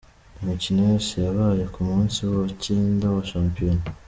Imikino yose yabaye ku munsi wa cyenda wa Shampiyona.